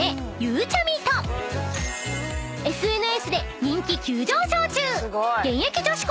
［ＳＮＳで人気急上昇中］